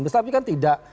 tapi kan tidak